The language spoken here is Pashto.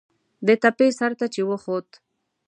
د تپې سر ته چې وخوت.